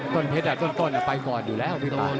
ต้นเพชรต้นไปก่อนอยู่แล้ว